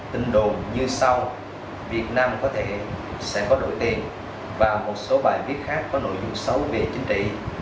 tin đồn như sau việt nam có thể sẽ có đổi tiền và một số bài viết khác có nội dung xấu về chính trị